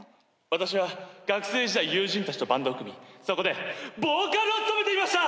私は学生時代友人たちとバンドを組みそこでボーカルを務めていました！